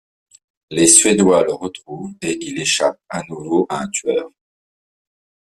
Les Suédois le retrouvent, et il échappe à nouveau à un tueur.